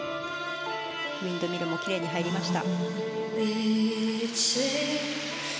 ウィンドミルもきれいに入りました。